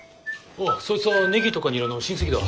おうそいつはネギとかニラの親戚だ。